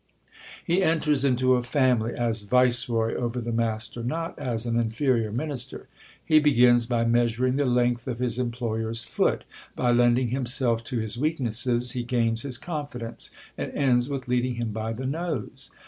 He enters into a family as viceroy over the master, not as an inferior minister. He begins by measuring the length of his employer's foot ; by lending himself to his weak nesses, he gains his confidence, and ends with leading him by the nose.